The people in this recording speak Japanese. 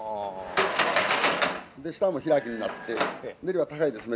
下も開きになって練りは高いですね。